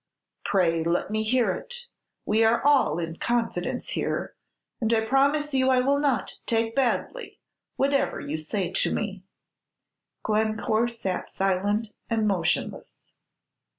"Pray let me hear it; we are all in confidence here, and I promise you I will not take badly whatever you say to me." Glencore sat silent and motionless.